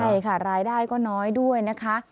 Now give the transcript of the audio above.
ใช่ค่ะรายได้ก็น้อยด้วยนะคะ